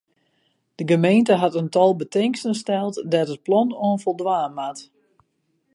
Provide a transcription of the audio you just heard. De gemeente hat in tal betingsten steld dêr't it plan oan foldwaan moat.